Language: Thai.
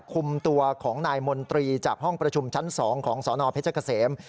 คุมตัวของนายมนตรีจากห้องประชุมชั้น๒ของสนเพชรเกษม